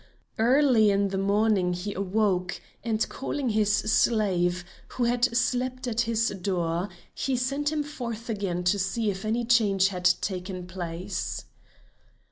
Early in the morning he awoke, and calling his slave, who had slept at his door, he sent him forth again to see if any change had taken place.